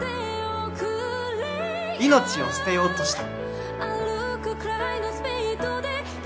命を捨てようとした。